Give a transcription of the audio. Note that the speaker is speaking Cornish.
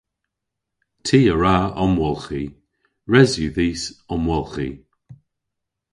Ty a wra omwolghi. Res yw dhis omwolghi.